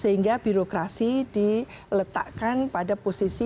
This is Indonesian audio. sehingga birokrasi diletakkan pada posisi